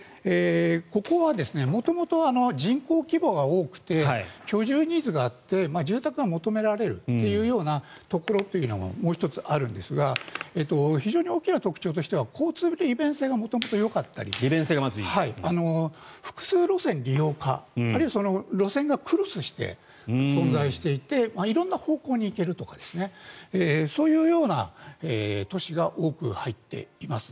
ここは元々、人口規模が大きくて居住ニーズがあって住宅が求められるというようなところというのがもう１つ、あるんですが非常に大きな特徴としては交通利便性が元々よかったり複数路線利用可、あるいは路線がクロスして存在していて色んな方向に行けるとかそういうような都市が多く入っています。